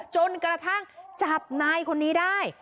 จนกระทั่งจับนายคนนี้ได้